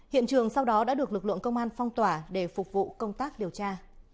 hiện trường sau đó đã được lực lượng công an phong tỏa để phục vụ công tác điều tra